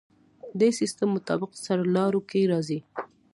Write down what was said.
دې سیستم مطابق سرلارو کې راځي.